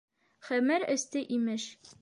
Хәмер эсте, имеш...